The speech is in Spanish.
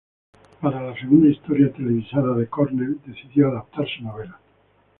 Para la segunda historia televisada de Cornell, decidió adaptar su novela.